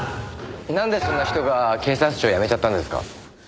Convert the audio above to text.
なんでそんな人が警察庁を辞めちゃったんですか？